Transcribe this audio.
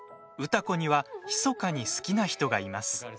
歌子にはひそかに好きな人がいます。